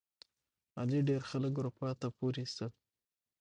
علي ډېر خلک اروپا ته پورې ایستل.